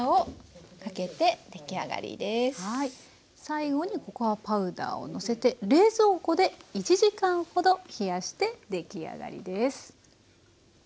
最後にココアパウダーをのせて冷蔵庫で１時間ほど冷やして出来上がりです。